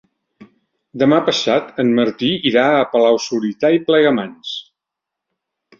Demà passat en Martí irà a Palau-solità i Plegamans.